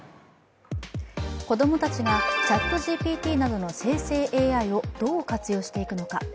子供たちがＣｈａｔＧＰＴなどの生成ＡＩをどう活用していくのか。